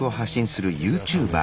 兼ユーチューバー。